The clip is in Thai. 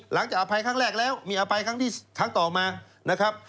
อภัยครั้งแรกแล้วมีอภัยครั้งต่อมานะครับ